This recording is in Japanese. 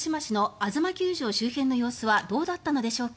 あづま球場周辺の様子はどうだったのでしょうか。